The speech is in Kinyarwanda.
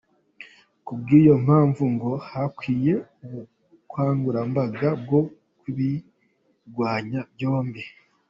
Ku bw’iyo mpamvu ngo hakwiye ubukangurambaga bwo kubirwanya byombi.